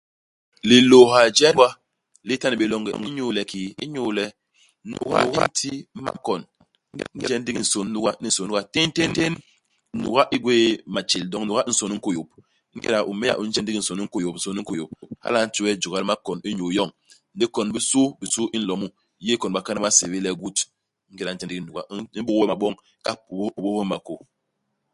Lilôôya je nuga li tane bé longe inyu le kii ? Inyu le nuga i nla ti makon. Ingéda u nje ndigi nsôn u nuga ni nsôn u nuga, ténténtén nuga i i gwéé matjél ; doñ nuga i nsôn u nkôyôp. Ingéda u m'meya u nje ndigi nsôn u nkôyôp, nsôn u nkôyôp, hala a nti we jôga li makon i nyuu yoñ. Ndi kon u bisubisu u nlo mu, u yé ikon bakana ba nsébél le goûte. Ingéda u nje ndigi nuga i i m'bôk we maboñ u kahal ôbôs ôbôs we makôô.